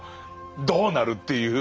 どうなるっていう。